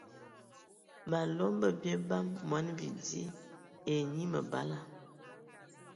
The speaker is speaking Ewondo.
Malom bə bie bam mɔni bidi ai enyi məbala.